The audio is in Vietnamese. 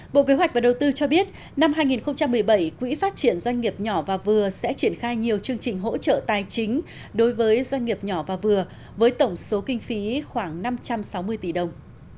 bộ kế hoạch và đầu tư cho biết năm hai nghìn một mươi bảy quỹ phát triển doanh nghiệp nhỏ và vừa sẽ triển khai nhiều chương trình hỗ trợ tài chính đối với doanh nghiệp nhỏ và vừa với tổng số kinh phí khoảng năm trăm sáu mươi tỷ đồng